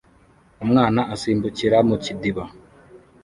Umwana asimbukira mu kidiba